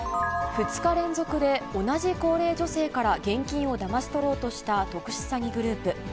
２日連続で同じ高齢女性から現金をだまし取ろうとした特殊詐欺グループ。